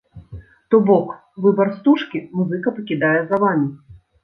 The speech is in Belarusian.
То бок выбар стужкі музыка пакідае за вамі!